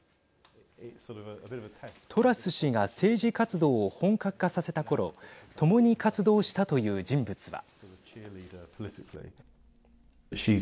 トラス氏が政治活動を本格化させたころともに活動したという人物は。